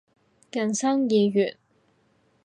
人生已完